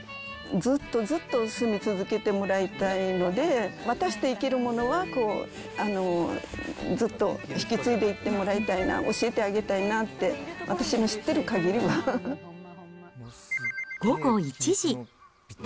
ずっとずっと住み続けてもらいたいので、渡していけるものは、ずっと引き継いでいってもらいたいな、教えてあげたいなって、午後１時。